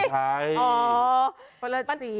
ไม่ใช่